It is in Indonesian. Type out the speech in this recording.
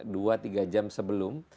dua tiga jam sebelum